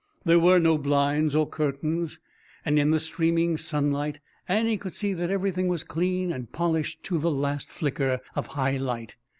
There were no blinds or curtains, and in the streaming sunlight Annie could see that everything was clean and polished to the last flicker of high light.